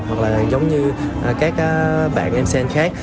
hoặc là giống như các bạn mcn khác